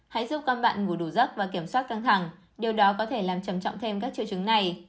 hãy giúp các bạn ngủ đổ giấc và kiểm soát căng thẳng điều đó có thể làm trầm trọng thêm các triệu chứng này